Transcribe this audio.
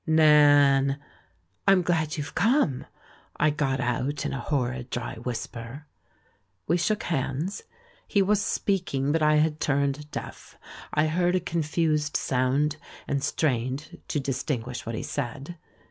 "Nan!" *'I'm glad you've come," I got out, in a horrid dry whisper. We shook hands. He was speak ing, but I had turned deaf; I heard a confused sound and strained to distinguish what he said.